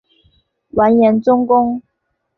完颜宗弼。